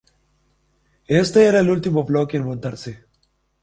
Este era el último bloque en montarse.